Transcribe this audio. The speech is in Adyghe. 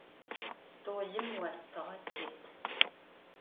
Stolım vostığe têt.